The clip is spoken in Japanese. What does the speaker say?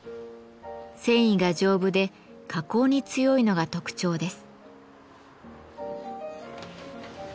繊維が丈夫で加工に強いのが特徴です。